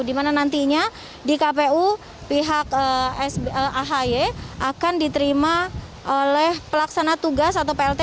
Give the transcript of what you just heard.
di mana nantinya di kpu pihak ahy akan diterima oleh pelaksana tugas atau plt